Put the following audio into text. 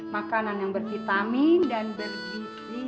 makanan yang bervitamin dan bergizi